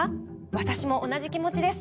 私も同じ気持ちです。